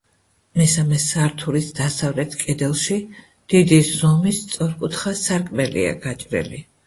მესამე სართულის დასავლეთ კედელში დიდი ზომის სწორკუთხა სარკმელია გაჭრილი.